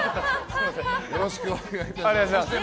よろしくお願いします。